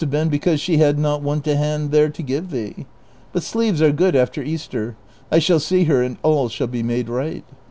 been because she had not one ijoiiunti inhere to give thee ; but sleeves are good after Easter ;^ I shall see her and all shall be made right.